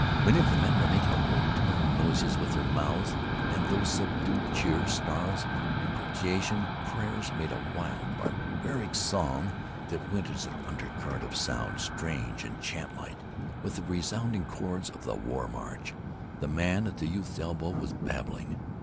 Many of the men were making low toned noises with their mouths, and these subdued cheers, snarls, imprecations, prayers, made a wild, barbaric song that went as an undercurrent of sound, strange and chantlike with the resounding chords of the war march. The man at the youth's elbow was babbling.